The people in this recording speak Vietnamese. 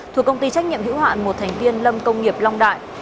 thuộc công ty trách nhiệm hữu hạn một thành viên lâm công nghiệp long đại